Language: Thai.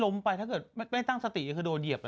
ไม่ตั้งสติก็คือโดนเหยียบ